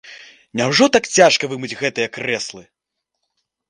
Няўжо так цяжка вымыць гэтыя крэслы?